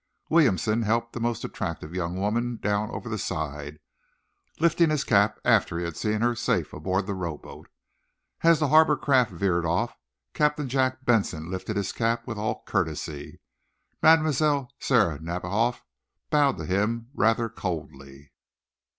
Williamson helped that most attractive young woman down over the side, lifting his cap after he had seen her safe aboard the rowboat. As the harbor craft veered off, Captain Jack Benson lifted his cap with all courtesy. Mlle. Sara Nadiboff bowed to him rather coldly.